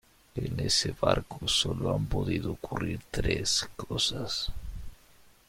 en ese barco solo han podido ocurrir tres cosas.